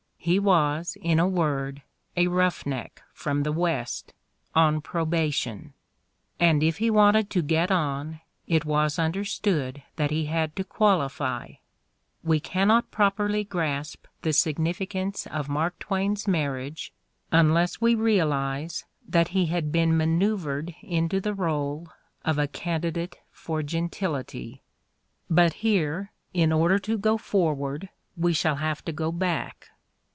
He was, in a word, a "roughneck" from the West, on probation; and if he wanted to get on, it was understood that he had to qualify. We can not properly grasp the significance of Mark Twain's marriage unless we realize that he had been manceuvered into the role of a candidate for gentility. r'^But here, in order to go forward, we shall have to go back.